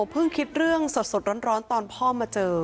เพิ่งคิดเรื่องสดร้อนตอนพ่อมาเจอ